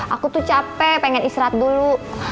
aku tuh capek pengen istirahat dulu